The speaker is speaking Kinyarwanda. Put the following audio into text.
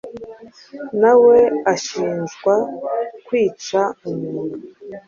na we ashinjwa kwica umuntu